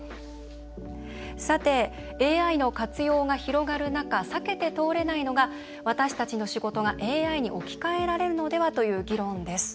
さて、ＡＩの活用が広がる中避けて通れないのが私たちの仕事がＡＩに置き換えられるのではという議論です。